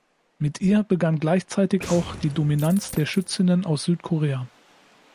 Mit ihr begann gleichzeitig auch die Dominanz der Schützinnen aus Südkorea.